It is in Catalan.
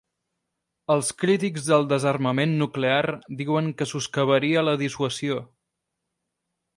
Els crítics del desarmament nuclear diuen que soscavaria la dissuasió.